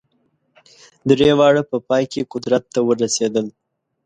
درې واړه په پای کې قدرت ته ورسېدل.